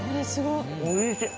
おいしい。